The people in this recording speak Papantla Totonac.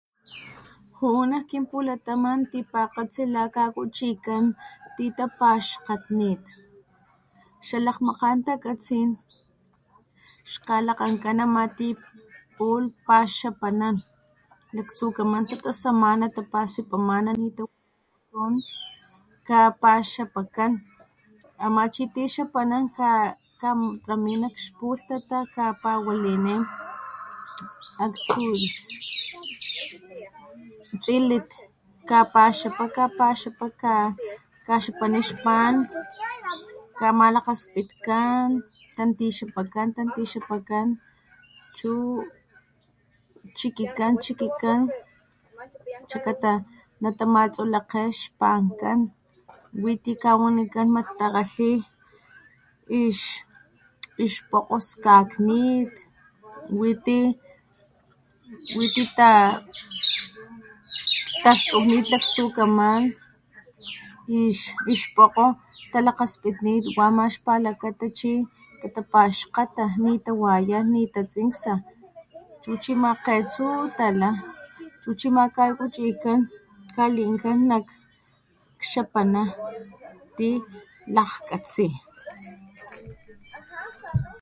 Ju'u nak kinpulataman tipakgatsi la kakuchikan ti tapaxkgatni xa lakg makgan takatsin xkgalakgankan ama ti pulh paxapanan laktsukaman tatasamana tapasipamana ni tu tawaputun kapaxapakan ama chi ti xapanan ka ka katrami nak ixpulhtata kapawalini aktsu tsilit kapaxapa, kapaxapa ka kaxapani ix pan, kamalakgaspitkan, tantixapakan, tanti- xapakan chu chikikan chikikan xlakata natamatsolekge xpankan witi kawanikan mat takgalhi ix bokgo skaknit witi, witi ta talhtujnit laktsukaman ix pokgo talakgaspitnit wama xpalakata chi tatapaxkgata ni tawayan nitatsiksa chu chi ama kgetsu tala chu chi ama kakuchikan kalinkan nak xapana ti lajkatsi.